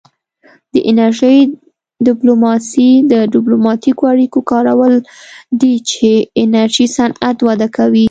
د انرژۍ ډیپلوماسي د ډیپلوماتیکو اړیکو کارول دي چې د انرژي صنعت وده کوي